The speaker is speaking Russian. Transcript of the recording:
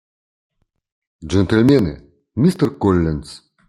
Джентльмены, мистер Коллинс.